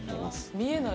見えない。